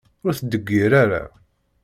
Ur t-ttḍeggir ara!